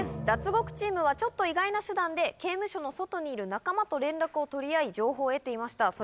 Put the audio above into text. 脱獄チームはちょっと意外な手段で刑務所の外にいる仲間と連絡を取り合い情報を得ていました。